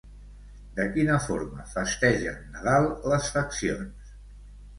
De quina forma festegen Nadal les faccions?